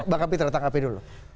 mbak kapi terdetangkan api dulu